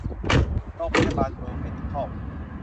โรงพยาบาลเวิลด์เมดิคอล